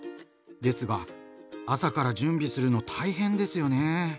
ですが朝から準備するの大変ですよね。